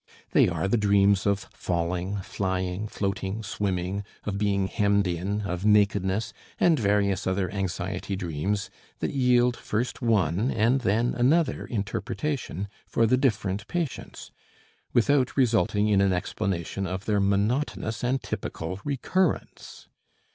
They are the dreams of falling, flying, floating, swimming, of being hemmed in, of nakedness, and various other anxiety dreams that yield first one and then another interpretation for the different patients, without resulting in an explanation of their monotonous and typical recurrence.